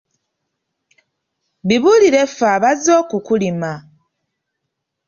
Bibulire ffe abazze okukulima.